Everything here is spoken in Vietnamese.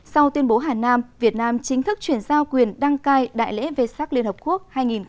sau tuyên bố hà nam việt nam chính thức chuyển giao quyền đăng cai đại lễ vệ sát liên hợp quốc hai nghìn hai mươi